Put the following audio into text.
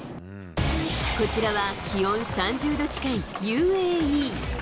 こちらは気温３０度近いＵＡＥ。